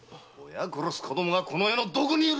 親殺す子供がこの世のどこにいるってんだい。